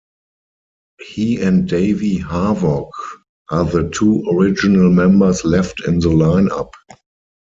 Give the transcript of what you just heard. He and Davey Havok are the two original members left in the lineup.